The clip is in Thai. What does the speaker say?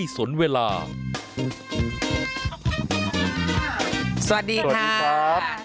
สวัสดีครับ